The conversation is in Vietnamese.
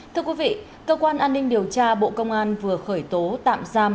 thưa quý vị cơ quan an ninh điều tra bộ công an vừa khởi tố tạm giam